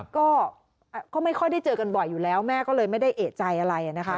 ก็ไม่ค่อยได้เจอกันบ่อยอยู่แล้วแม่ก็เลยไม่ได้เอกใจอะไรนะคะ